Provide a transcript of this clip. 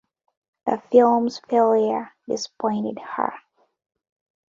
The film's failure disappointed her.